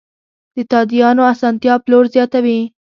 د تادیاتو اسانتیا پلور زیاتوي.